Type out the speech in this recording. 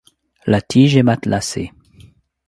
La tige est matelassée.